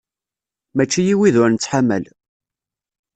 Mačči i wid ur nettḥamal.